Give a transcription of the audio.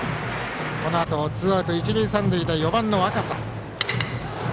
このあとツーアウト一塁三塁で４番の若狭。